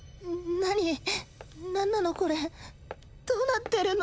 何なのこれどうなってるの？